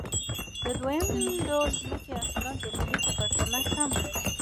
د دویم ډول ځمکې حاصلات د لومړۍ په پرتله کم دي